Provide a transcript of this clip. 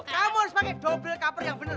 kamu harus pakai dobel koper yang bener